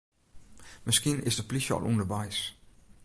Miskien is de plysje al ûnderweis.